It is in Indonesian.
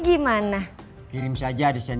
gimana sih cara ordernya ini